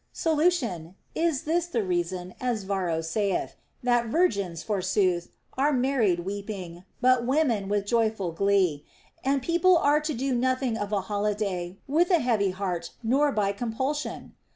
Solution. Is the reason, as Varro saith, that virgins, forsooth, are married weeping, but women with joyful glee, and people are to do nothing of a holiday with a heavy heart nor by compulsion'?